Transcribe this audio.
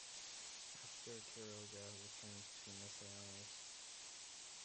After Quiroga returned to Misiones.